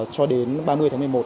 cho đến ba mươi tháng một mươi một